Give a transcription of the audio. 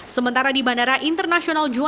sementara di bandara internasional juanda